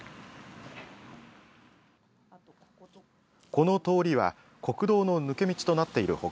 この通りは国道の抜け道となっている他